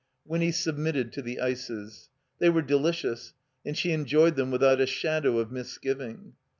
Winny submitted to the ices. They were delicious, and she enjoyed them without a shadow of misgiving.